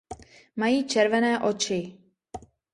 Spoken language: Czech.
Mají červené oči.